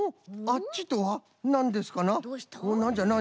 あっちとはなんですかな？